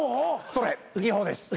それ違法です。